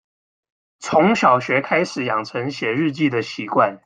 從小學開始養成寫日記的習慣